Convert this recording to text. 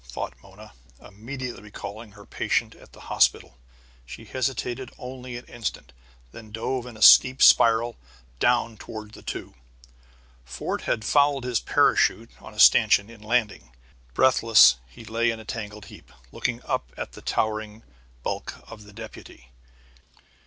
thought Mona, immediately recalling her patient at the hospital. She hesitated only an instant, then dove in a steep spiral down toward the two. Fort had fouled his parachute on a stanchion, in landing. Breathless, he lay in a tangle heap, looking up at the towering bulk of the deputy.